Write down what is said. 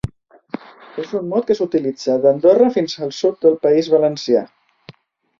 És un mot que s'utilitza d'Andorra fins al sud del País Valencià.